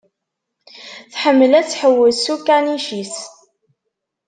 Tḥemmel ad tḥewwes s ukanic-is.